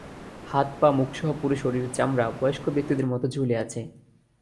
হাত, পা, মুখসহ পুরো শরীরের চামড়া বয়স্ক ব্যক্তিদের মতো ঝুলে আছে।